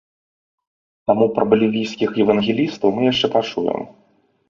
Таму пра балівійскіх евангелістаў мы яшчэ пачуем.